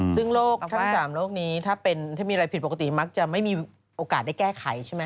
ซึ่งโรคทั้ง๓โรคนี้ถ้ามีอะไรผิดปกติมักจะไม่มีโอกาสได้แก้ไขใช่ไหม